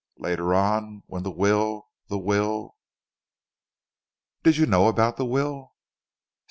Later on when the will the will " "Did you know about the will?"